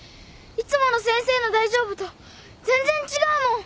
いつもの先生の大丈夫と全然違うもん。